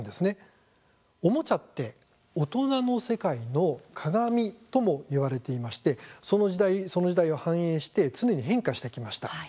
おもちゃって大人の世界の鏡ともいわれていましてその時代その時代を反映して常に変化してきました。